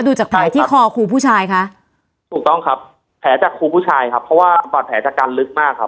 ดูจากฝ่ายที่คอครูผู้ชายคะถูกต้องครับแผลจากครูผู้ชายครับเพราะว่าบาดแผลจากการลึกมากครับ